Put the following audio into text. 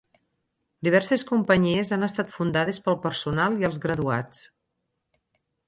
Diverses companyies han estat fundades pel personal i els graduats.